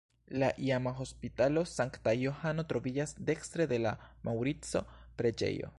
La iama Hospitalo Sankta Johano troviĝas dekstre de la Maŭrico-preĝejo.